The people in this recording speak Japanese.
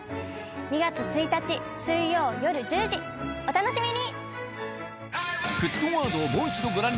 ２月１日水曜夜１０時お楽しみに！